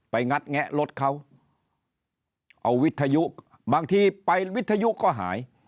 งัดแงะรถเขาเอาวิทยุบางทีไปวิทยุก็หาย